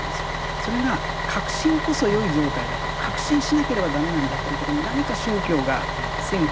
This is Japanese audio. それが確信こそ良い状態だと確信しなければ駄目なんだっていうとこに何か宗教が線を引いてきたんじゃないか。